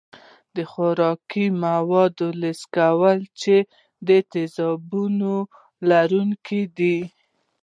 د خوراکي موادو لست کول چې د تیزابونو لرونکي دي.